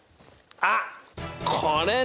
あっこれね。